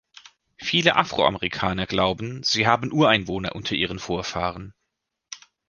Viele Afro-Amerikaner glauben, sie haben Ureinwohner unter ihren Vorfahren.